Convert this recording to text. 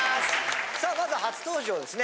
さあまずは初登場ですね